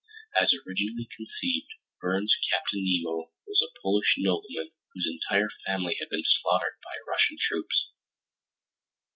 As originally conceived, Verne's Captain Nemo was a Polish nobleman whose entire family had been slaughtered by Russian troops.